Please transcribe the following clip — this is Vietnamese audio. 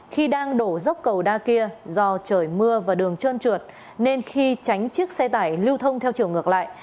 khi đang đổ dốc cầu đa kia do trời mưa và đường trơn trượt nên khi tránh chiếc xe tải lưu thông theo chiều ngược lại